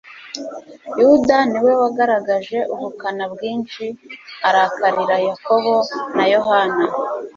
Yuda ni we wagaragaj e ubukana bwinshi, arakarira Yakobo na Yohana.